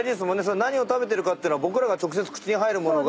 何を食べてるかってのは僕らが直接口に入る物が。